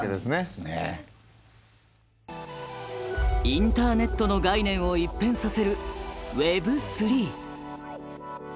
インターネットの概念を一変させる「Ｗｅｂ３」。